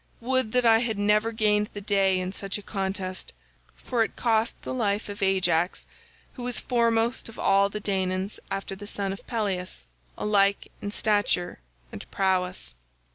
Would that I had never gained the day in such a contest, for it cost the life of Ajax, who was foremost of all the Danaans after the son of Peleus, alike in stature and prowess.